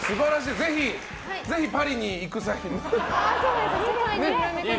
ぜひパリに行く際に。